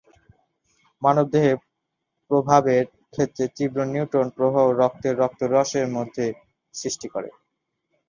মানব দেহে প্রভাবের ক্ষেত্রে তীব্র নিউট্রন প্রবাহ রক্তের রক্তরস এর মধ্যে সৃষ্টি করে।